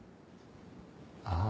ああ。